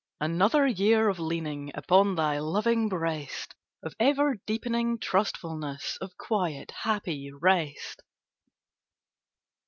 Another year of leaning Upon Thy loving breast, Of ever deepening trustfulness, Of quiet, happy rest.